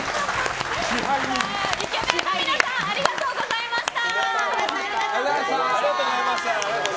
イケメンの皆さんありがとうございました。